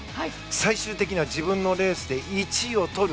最終的には自分のレースで１位を取る。